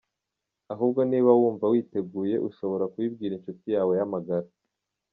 Ahubwo niba wumva witeguye, ushobora kubibwira inshuti yawe y’amagara.